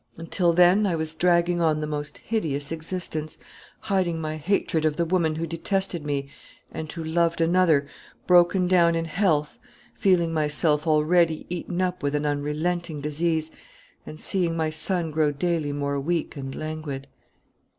Until then, I was dragging on the most hideous existence, hiding my hatred of the woman who detested me and who loved another, broken down in health, feeling myself already eaten up with an unrelenting disease, and seeing my son grow daily more weak and languid.